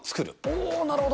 おー、なるほど。